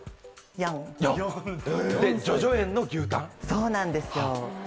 そうなんですよ。